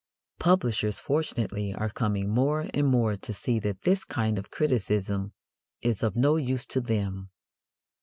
Publishers, fortunately, are coming more and more to see that this kind of criticism is of no use to them.